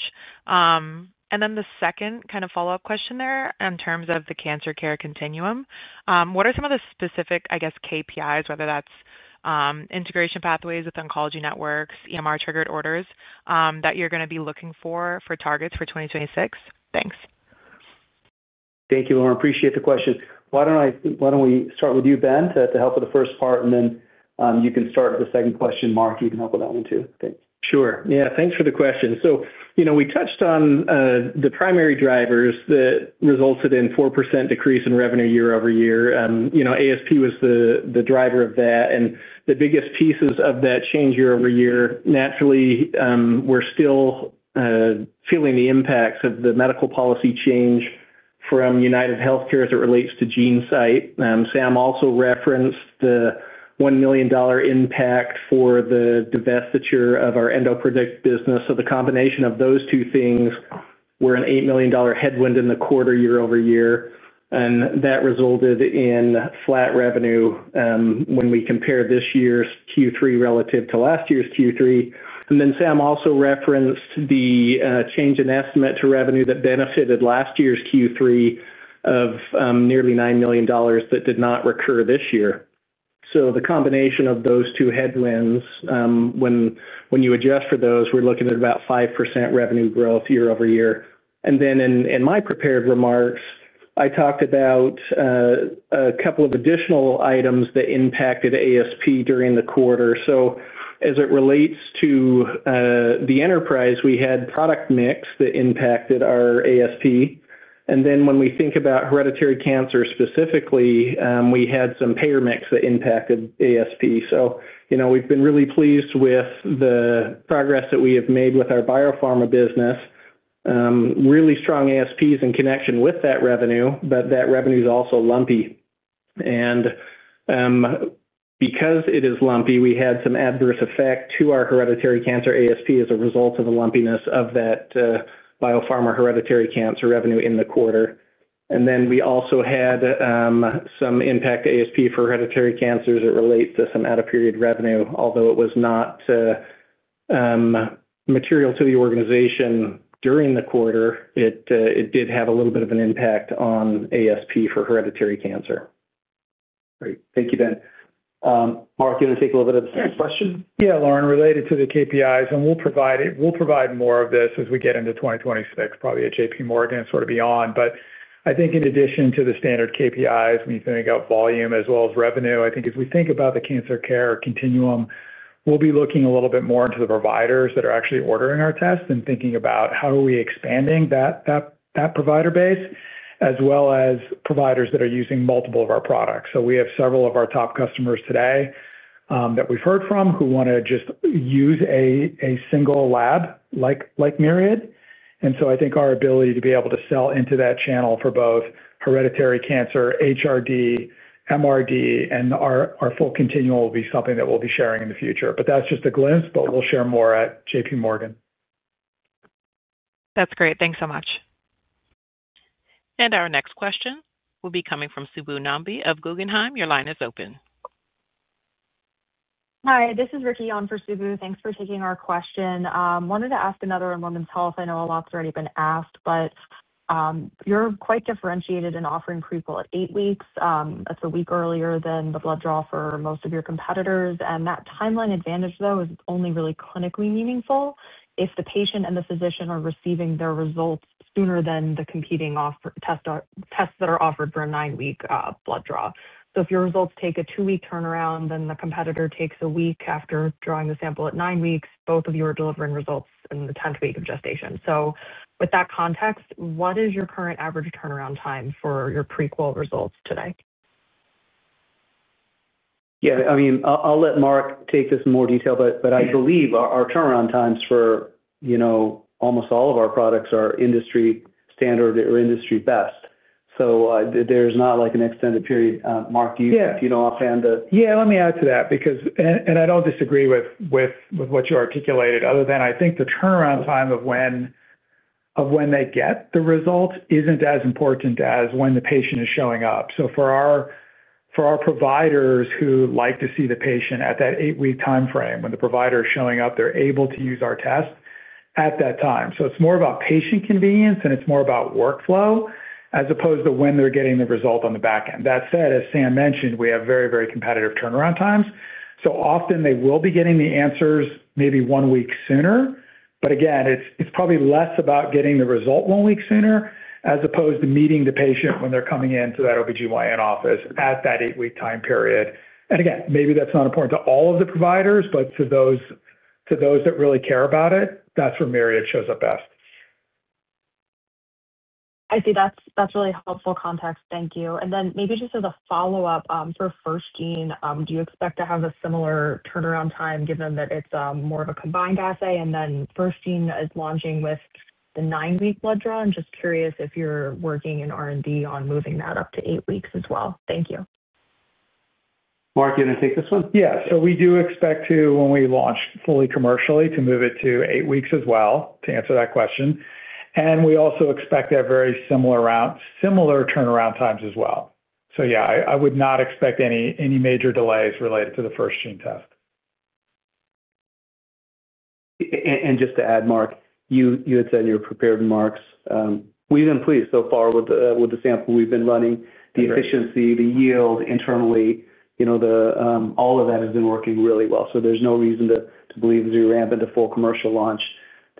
The second kind of follow-up question there in terms of the cancer care continuum, what are some of the specific, I guess, KPIs, whether that's integration pathways with oncology networks, EMR-triggered orders that you're going to be looking for targets for 2026? Thanks. Thank you, Lauren. Appreciate the question. Why don't we start with you, Ben, to help with the first part, and then you can start with the second question, Mark. You can help with that one too. Thanks. Sure. Yeah. Thanks for the question. We touched on the primary drivers that resulted in 4% decrease in revenue year-over-year. ASP was the driver of that. The biggest pieces of that change year-over-year, naturally, we're still feeling the impacts of the medical policy change from UnitedHealthcare as it relates to GeneSight. Sam also referenced the $1 million impact for the divestiture of our EndoPredict business. The combination of those two things were an $8 million headwind in the quarter year-over-year. That resulted in flat revenue when we compare this year's Q3 relative to last year's Q3. Sam also referenced the change in estimate to revenue that benefited last year's Q3 of nearly $9 million that did not recur this year. The combination of those two headwinds, when you adjust for those, we're looking at about 5% revenue growth year-over-year. In my prepared remarks, I talked about a couple of additional items that impacted ASP during the quarter. As it relates to the enterprise, we had product mix that impacted our ASP. When we think about hereditary cancer specifically, we had some payer mix that impacted ASP. We've been really pleased with the progress that we have made with our biopharma business. Really strong ASPs in connection with that revenue, but that revenue is also lumpy. Because it is lumpy, we had some adverse effect to our hereditary cancer ASP as a result of the lumpiness of that biopharma hereditary cancer revenue in the quarter. We also had some impact to ASP for hereditary cancers that relates to some out-of-period revenue, although it was not material to the organization during the quarter. It did have a little bit of an impact on ASP for hereditary cancer. Great. Thank you, Ben. Mark, you want to take a little bit of the same question? Yeah, Lauren, related to the KPIs. We'll provide more of this as we get into 2026, probably at JPMorgan and sort of beyond. I think in addition to the standard KPIs, when you think about volume as well as revenue, I think as we think about the cancer care continuum, we'll be looking a little bit more into the providers that are actually ordering our tests and thinking about how are we expanding that provider base, as well as providers that are using multiple of our products. We have several of our top customers today that we've heard from who want to just use a single lab like Myriad. I think our ability to be able to sell into that channel for both hereditary cancer, HRD, MRD, and our full continuum will be something that we'll be sharing in the future. That's just a glimpse, but we'll share more at JPMorgan. That's great. Thanks so much. Our next question will be coming from Subbu Nambi of Guggenheim. Your line is open. Hi, this is Ricky on for Subbu. Thanks for taking our question. Wanted to ask another on women's health. I know a lot's already been asked, but you're quite differentiated in offering Prequel at eight weeks. That's a week earlier than the blood draw for most of your competitors. That timeline advantage, though, is only really clinically meaningful if the patient and the physician are receiving their results sooner than the competing tests that are offered for a nine-week blood draw. If your results take a two-week turnaround, then the competitor takes a week after drawing the sample at nine weeks, both of you are delivering results in the 10th week of gestation. With that context, what is your current average turnaround time for your Prequel results today? Yeah. I mean, I'll let Mark take this in more detail, but I believe our turnaround times for almost all of our products are industry standard or industry best. So there's not an extended period. Mark, do you know offhand to? Yeah, let me add to that, and I do not disagree with what you articulated other than I think the turnaround time of when they get the results is not as important as when the patient is showing up. For our providers who like to see the patient at that eight-week timeframe, when the provider is showing up, they are able to use our test at that time. It is more about patient convenience, and it is more about workflow as opposed to when they are getting the result on the back end. That said, as Sam mentioned, we have very, very competitive turnaround times. Often they will be getting the answers maybe one week sooner. Again, it is probably less about getting the result one week sooner as opposed to meeting the patient when they are coming into that OBGYN office at that eight-week time period. Maybe that is not important to all of the providers, but to those that really care about it, that is where Myriad shows up best. I see. That's really helpful context. Thank you. Maybe just as a follow-up for FirstGene, do you expect to have a similar turnaround time given that it's more of a combined assay and then FirstGene is launching with the nine-week blood draw? I'm just curious if you're working in R&D on moving that up to eight weeks as well. Thank you. Mark, you want to take this one? Yeah. We do expect to, when we launch fully commercially, to move it to eight weeks as well to answer that question. We also expect to have very similar turnaround times as well. Yeah, I would not expect any major delays related to the FirstGene test. Just to add, Mark, you had said in your prepared remarks, we've been pleased so far with the sample we've been running. The efficiency, the yield internally, all of that has been working really well. There is no reason to believe as we ramp into full commercial launch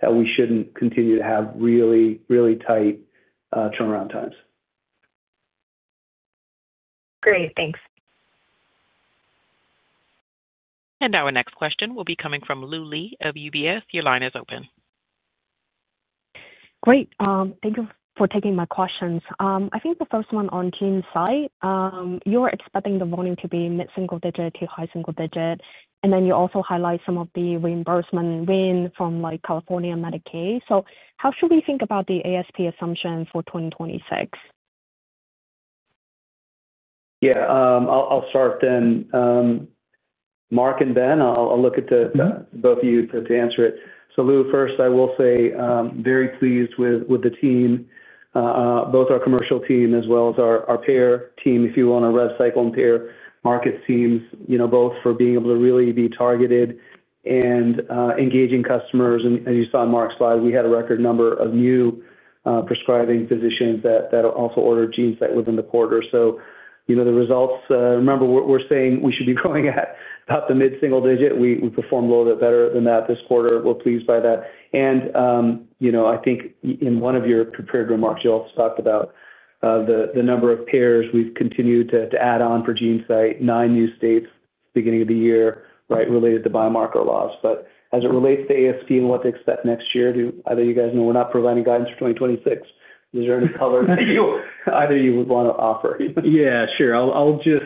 that we should not continue to have really, really tight turnaround times. Great. Thanks. Our next question will be coming from Lu Li of UBS. Your line is open. Great. Thank you for taking my questions. I think the first one on GeneSight, you're expecting the volume to be mid-single digit to high single digit. You also highlight some of the reimbursement win from California Medicaid. How should we think about the ASP assumption for 2026? Yeah. I'll start then. Mark and Ben, I'll look at both of you to answer it. So Lu, first, I will say very pleased with the team, both our commercial team as well as our payer team, if you will, and our rev cycle and payer market teams, both for being able to really be targeted and engaging customers. As you saw in Mark's slide, we had a record number of new prescribing physicians that also ordered GeneSight within the quarter. The results, remember, we're saying we should be growing at about the mid-single digit. We performed a little bit better than that this quarter. We're pleased by that. I think in one of your prepared remarks, you also talked about the number of payers we've continued to add on for GeneSight, nine new states at the beginning of the year, right, related to biomarker loss. As it relates to ASP and what to expect next year, either you guys know we're not providing guidance for 2026. Is there any color that either of you would want to offer? Yeah, sure. I'll just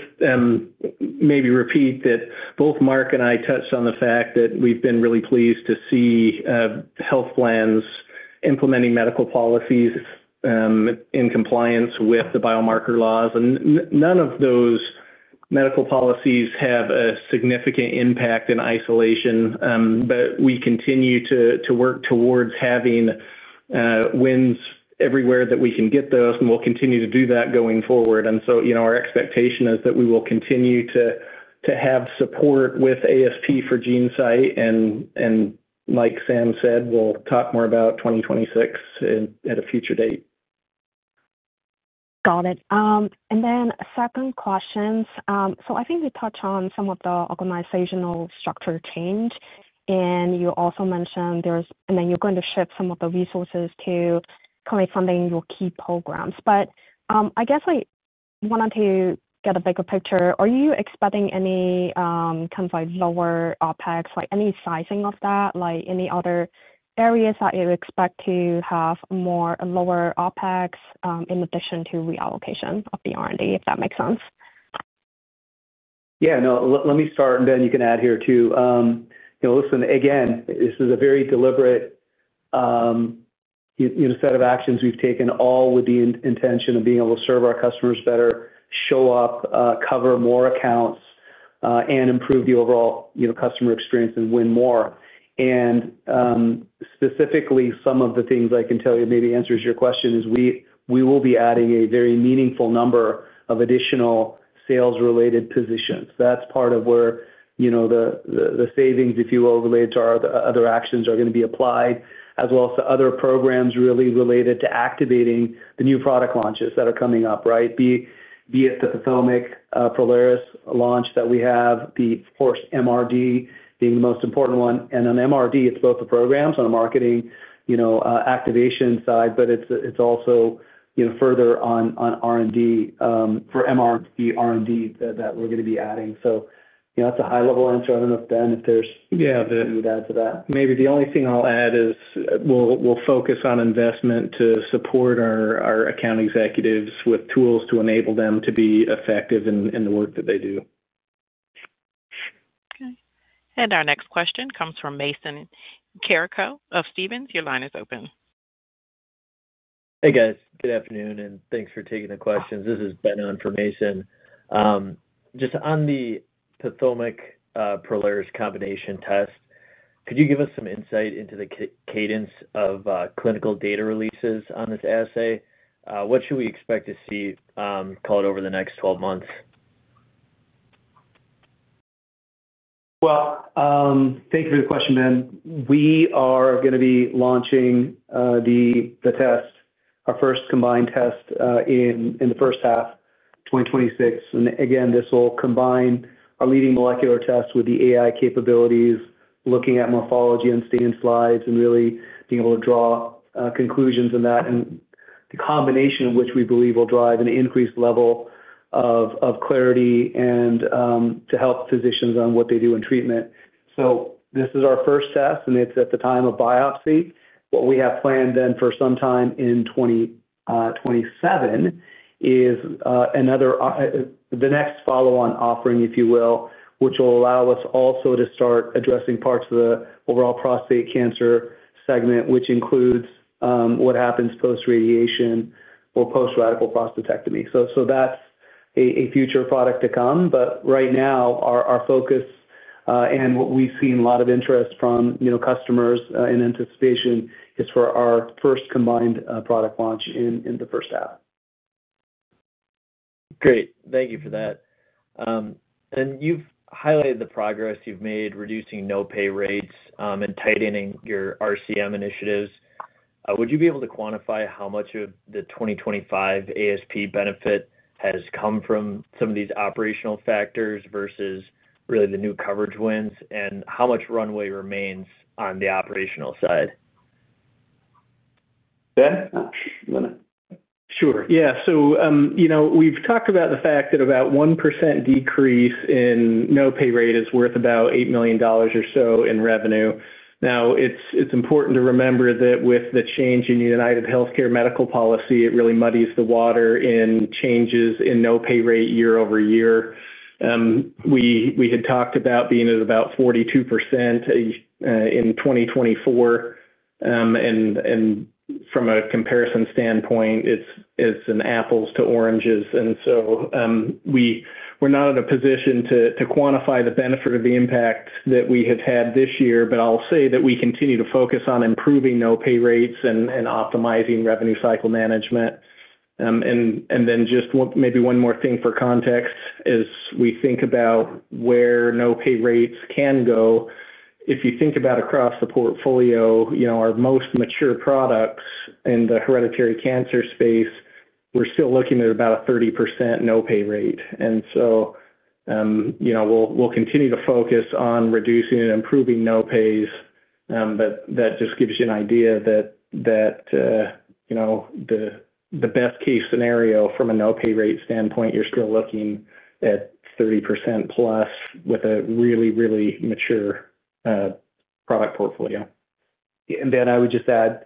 maybe repeat that both Mark and I touched on the fact that we've been really pleased to see health plans implementing medical policies in compliance with the biomarker laws. None of those medical policies have a significant impact in isolation, but we continue to work towards having wins everywhere that we can get those, and we'll continue to do that going forward. Our expectation is that we will continue to have support with ASP for GeneSight. Like Sam said, we'll talk more about 2026 at a future date. Got it. And then second question. I think we touched on some of the organizational structure change. You also mentioned there's, and then you're going to shift some of the resources to currently funding your key programs. I guess I wanted to get a bigger picture. Are you expecting any kind of lower OpEx, any sizing of that, any other areas that you expect to have more lower OpEx in addition to reallocation of the R&D, if that makes sense? Yeah. No, let me start, and then you can add here too. Listen, again, this is a very deliberate set of actions we've taken, all with the intention of being able to serve our customers better, show up, cover more accounts, and improve the overall customer experience and win more. Specifically, some of the things I can tell you maybe answers your question is we will be adding a very meaningful number of additional sales-related positions. That's part of where the savings, if you will, related to our other actions are going to be applied, as well as to other programs really related to activating the new product launches that are coming up, right? Be it the Prolaris launch that we have, the, of course, MRD being the most important one. On MRD, it's both the programs on a marketing activation side, but it's also further on MRD that we're going to be adding. That's a high-level answer. I don't know if, Ben, if there's anything you would add to that. Maybe the only thing I'll add is we'll focus on investment to support our account executives with tools to enable them to be effective in the work that they do. Our next question comes from Mason Carrico of Stephens. Your line is open. Hey, guys. Good afternoon, and thanks for taking the questions. This is Ben on for Mason. Just on the PATHOMIQ Prolaris combination test, could you give us some insight into the cadence of clinical data releases on this assay? What should we expect to see called over the next 12 months? Thank you for the question, Ben. We are going to be launching the test, our first combined test in the first half of 2026. Again, this will combine our leading molecular test with the AI capabilities, looking at morphology on stained slides and really being able to draw conclusions in that. The combination of which we believe will drive an increased level of clarity and help physicians on what they do in treatment. This is our first test, and it's at the time of biopsy. What we have planned then for sometime in 2027 is another, the next follow-on offering, if you will, which will allow us also to start addressing parts of the overall prostate cancer segment, which includes what happens post-radiation or post-radical prostatectomy. That is a future product to come. Right now, our focus and what we've seen a lot of interest from customers in anticipation is for our first combined product launch in the first half. Great. Thank you for that. You have highlighted the progress you have made reducing no-pay rates and tightening your RCM initiatives. Would you be able to quantify how much of the 2025 ASP benefit has come from some of these operational factors versus really the new coverage wins and how much runway remains on the operational side? Ben, do you want to? Sure. Yeah. So we've talked about the fact that about 1% decrease in no-pay rate is worth about $8 million or so in revenue. Now, it's important to remember that with the change in UnitedHealthcare medical policy, it really muddies the water in changes in no-pay rate year-over-year. We had talked about being at about 42% in 2024. From a comparison standpoint, it's an apples to oranges. We're not in a position to quantify the benefit of the impact that we have had this year, but I'll say that we continue to focus on improving no-pay rates and optimizing revenue cycle management. Maybe one more thing for context is as we think about where no-pay rates can go. If you think about across the portfolio, our most mature products in the hereditary cancer space, we're still looking at about a 30% no-pay rate. We'll continue to focus on reducing and improving no-pays. That just gives you an idea that the best-case scenario from a no-pay rate standpoint, you're still looking at 30%+ with a really, really mature product portfolio. I would just add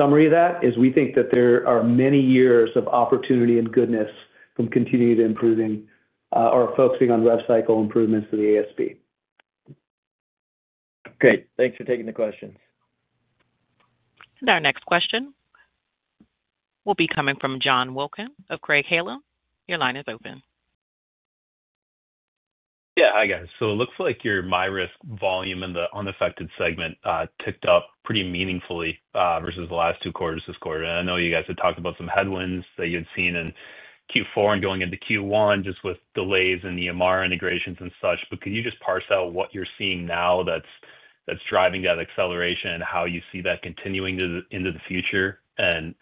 a summary of that is we think that there are many years of opportunity and goodness from continued improving or focusing on rev cycle improvements to the ASP. Great. Thanks for taking the questions. Our next question will be coming from John Wilkin of Craig-Hallum. Your line is open. Yeah. Hi, guys. It looks like your MyRisk volume in the unaffected segment ticked up pretty meaningfully versus the last two quarters this quarter. I know you guys had talked about some headwinds that you had seen in Q4 and going into Q1 just with delays in EMR integrations and such. Could you just parse out what you're seeing now that's driving that acceleration and how you see that continuing into the future?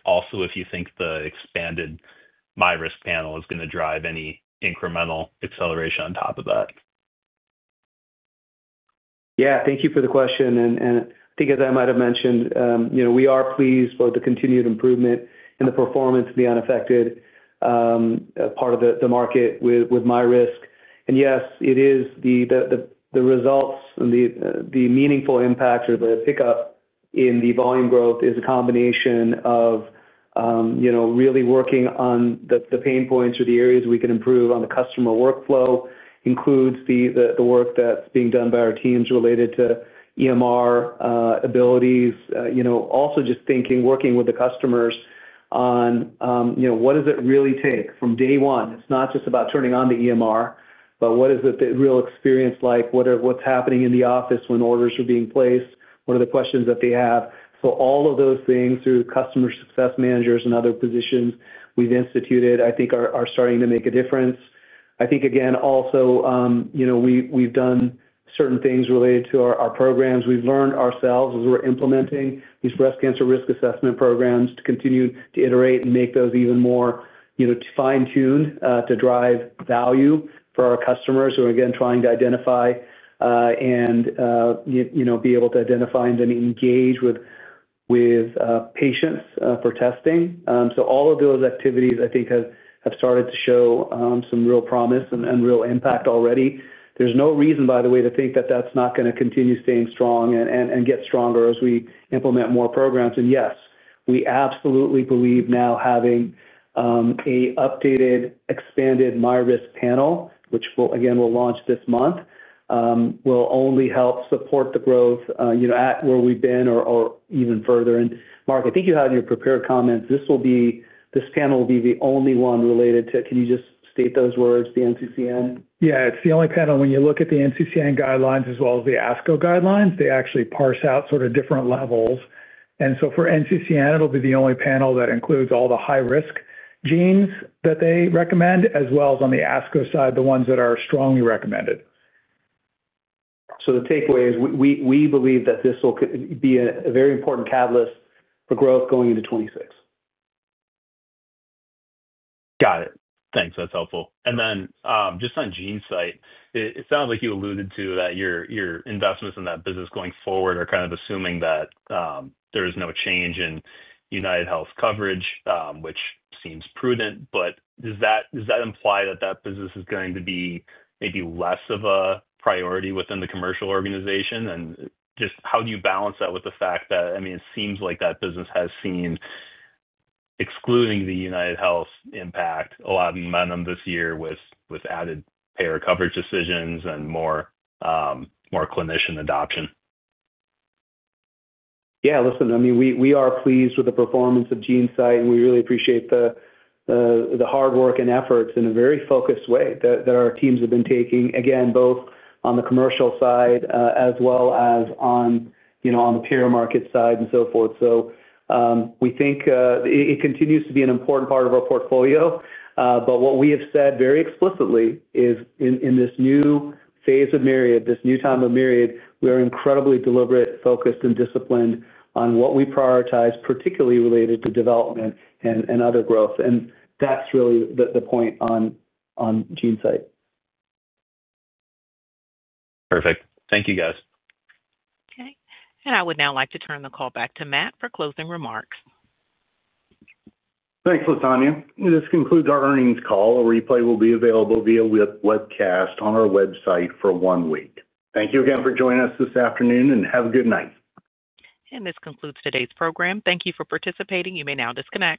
Also, if you think the expanded MyRisk panel is going to drive any incremental acceleration on top of that. Yeah. Thank you for the question. I think, as I might have mentioned, we are pleased for the continued improvement and the performance of the unaffected part of the market with MyRisk. Yes, it is. The results and the meaningful impact or the pickup in the volume growth is a combination of really working on the pain points or the areas we can improve on the customer workflow, includes the work that's being done by our teams related to EMR abilities. Also just thinking, working with the customers on what does it really take from day one? It's not just about turning on the EMR, but what is the real experience like? What's happening in the office when orders are being placed? What are the questions that they have? All of those things through customer success managers and other positions we've instituted, I think, are starting to make a difference. I think, again, also, we've done certain things related to our programs. We've learned ourselves as we're implementing these breast cancer risk assessment programs to continue to iterate and make those even more fine-tuned to drive value for our customers who are, again, trying to identify and be able to identify and then engage with patients for testing. All of those activities, I think, have started to show some real promise and real impact already. There's no reason, by the way, to think that that's not going to continue staying strong and get stronger as we implement more programs. Yes, we absolutely believe now having an updated, expanded MyRisk panel, which, again, will launch this month, will only help support the growth at where we've been or even further. Mark, I think you had in your prepared comments, this panel will be the only one related to—can you just state those words, the NCCN? Yeah. It's the only panel when you look at the NCCN guidelines as well as the ASCO guidelines, they actually parse out sort of different levels. For NCCN, it'll be the only panel that includes all the high-risk genes that they recommend, as well as on the ASCO side, the ones that are strongly recommended. The takeaway is we believe that this will be a very important catalyst for growth going into 2026. Got it. Thanks. That's helpful. And then just on GeneSight, it sounds like you alluded to that your investments in that business going forward are kind of assuming that there is no change in UnitedHealth coverage, which seems prudent. But does that imply that that business is going to be maybe less of a priority within the commercial organization? And just how do you balance that with the fact that, I mean, it seems like that business has seen, excluding the UnitedHealth impact, a lot of momentum this year with added payer coverage decisions and more clinician adoption? Yeah. Listen, I mean, we are pleased with the performance of GeneSight, and we really appreciate the hard work and efforts in a very focused way that our teams have been taking, again, both on the commercial side as well as on the payer market side and so forth. We think it continues to be an important part of our portfolio. What we have said very explicitly is in this new phase of Myriad, this new time of Myriad, we are incredibly deliberate, focused, and disciplined on what we prioritize, particularly related to development and other growth. That is really the point on GeneSight. Perfect. Thank you, guys. Okay. I would now like to turn the call back to Matt for closing remarks. Thanks, Latania. This concludes our earnings call. A replay will be available via webcast on our website for one week. Thank you again for joining us this afternoon, and have a good night. This concludes today's program. Thank you for participating. You may now disconnect.